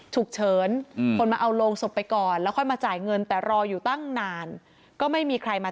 ฉุกเฉินคนมาเอาโรงศพไปก่อนแล้วค่อยมาจ่ายเงินแต่รออยู่ตั้งนานก็ไม่มีใครมา